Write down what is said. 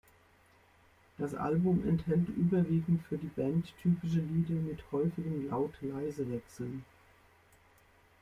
Das Album enthält überwiegend für die Band typische Lieder mit häufigen Laut-Leise-Wechseln.